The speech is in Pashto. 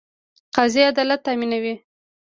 قاضي عدالت تامینوي